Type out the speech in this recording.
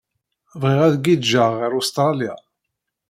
Bɣiɣ ad giǧǧeɣ ɣer Ustṛalya.